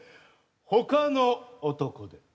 ほかの男で。